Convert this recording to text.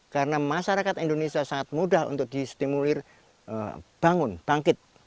karena masyarakat indonesia sangat mudah untuk di stimulir bangun bangkit